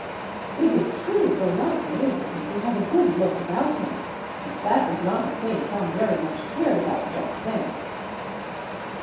It is true the light enabled him to have a good look about him, but that was not a thing Tom very much cared about just then.